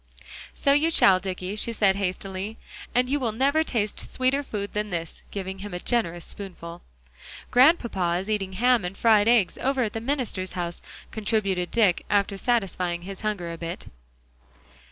"So you shall, Dicky," she said hastily. "And you will never taste sweeter food than this," giving him a generous spoonful. "Grandpapa is eating ham and fried eggs over at the minister's house," contributed Dick, after satisfying his hunger a bit.